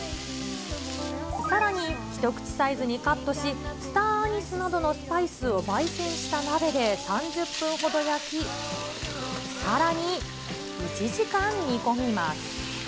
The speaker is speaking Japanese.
さらに、一口サイズにカットし、スターアニスなどのスパイスを焙煎した鍋で３０分ほど焼き、さらに１時間煮込みます。